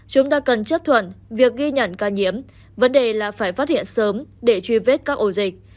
chúng ta cần chấp thuận việc ghi nhận ca nhiễm vấn đề là phải phát hiện sớm để truy vết các ổ dịch